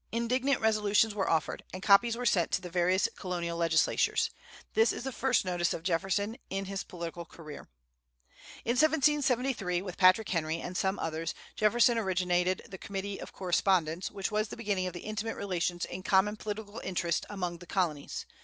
Indignant Resolutions were offered, and copies were sent to the various Colonial legislatures. This is the first notice of Jefferson in his political career. In 1773, with Patrick Henry and some others, Jefferson originated the Committee of Correspondence, which was the beginning of the intimate relations in common political interest among the Colonies.